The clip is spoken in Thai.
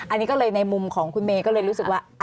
อันนี้ก็เลยในมุมของคุณเมย์ก็เลยรู้สึกว่า